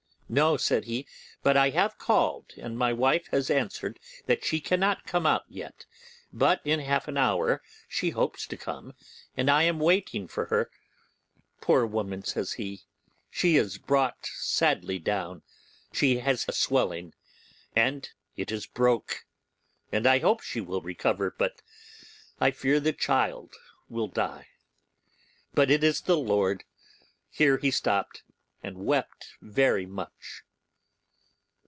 'No,' said he; 'but I have called, and my wife has answered that she cannot come out yet, but in half an hour she hopes to come, and I am waiting for her. Poor woman!' says he, 'she is brought sadly down. She has a swelling, and it is broke, and I hope she will recover; but I fear the child will die, but it is the Lord—' Here he stopped, and wept very much.